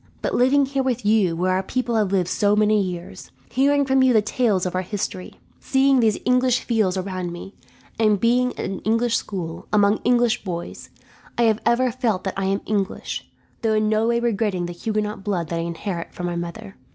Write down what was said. But living here with you, where our people have lived so many years; hearing from you the tales from our history; seeing these English fields around me; and being at an English school, among English boys, I have ever felt that I am English, though in no way regretting the Huguenot blood that I inherit from my mother.